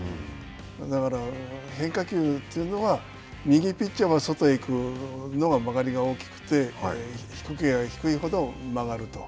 だから、変化球というのは、右ピッチャーは外へ行くのは曲がりが大きくて低ければ低いほど曲がると。